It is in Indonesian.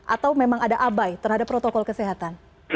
atau memang ada abai terhadap protokol kesehatan